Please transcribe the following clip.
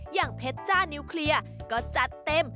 อย่างเพชรจ้านิวเคลียร์ก็จัดเต็ม